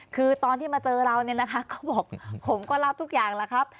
คือตอนที่มาเจอเราเนี่ยนะคะก็บอกผมก็รับทุกอย่างแล้วครับ